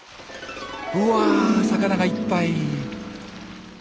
うわ魚がいっぱい！